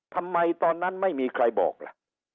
ทำไมตอนนั้นไม่มีใครบอกล่ะ